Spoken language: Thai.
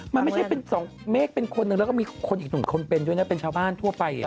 มันไม่ใช่เป็นสองเมฆเป็นคนหนึ่งแล้วก็มีคนอีกหนึ่งคนเป็นด้วยนะเป็นชาวบ้านทั่วไป